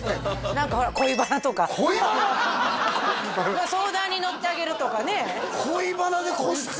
何かほら相談にのってあげるとかね恋バナで個室？